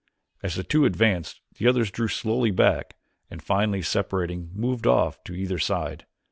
As the two advanced the others drew slowly back and, finally separating, moved off to either side.